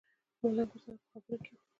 ملنګ ورسره په خبرو کې و.